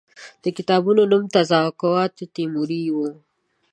د کتاب نوم تزوکات تیموري وو.